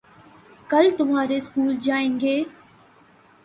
کل تمہارے سکول جائیں گے